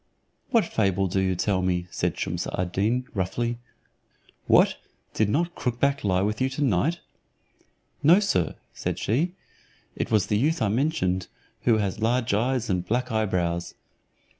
"What fable do you tell me?" said Shumse ad Deen, roughly. "What! Did not crook back lie with you tonight?" "No, sir," said she, "it was the youth I mentioned, who has large eyes and black eyebrows."